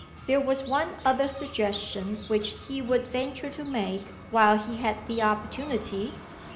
There was one other suggestion which he would venture to make, while he had the opportunity.